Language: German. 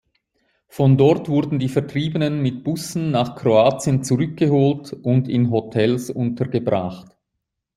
Von dort wurden die Vertriebenen mit Bussen nach Kroatien zurückgeholt und in Hotels untergebracht.